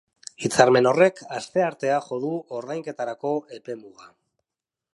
Hitzarmen horrek asteartea jo du ordainketarako epe-muga.